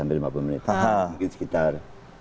mungkin sekitar tujuh